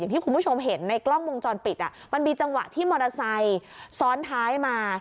ที่คุณผู้ชมเห็นในกล้องวงจรปิดมันมีจังหวะที่มอเตอร์ไซค์ซ้อนท้ายมา